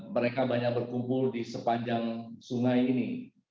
mereka banyak berkumpul di sepanjang sungai ini